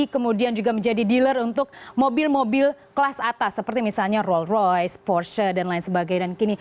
kemudian juga menjadi dealer untuk mobil mobil kelas atas seperti misalnya roll royce porsche dan lain sebagainya